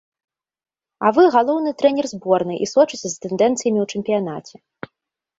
А вы галоўны трэнер зборнай і сочыце за тэндэнцыямі ў чэмпіянаце.